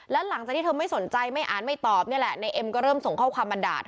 แล้วหลังจากที่เธอไม่สนใจไม่อ่านไม่ตอบนี่แหละในเอ็มก็เริ่มส่งข้อความมาด่า